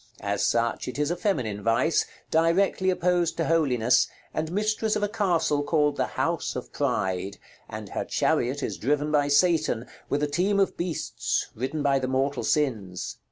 As such, it is a feminine vice, directly opposed to Holiness, and mistress of a castle called the House of Pryde, and her chariot is driven by Satan, with a team of beasts, ridden by the mortal sins.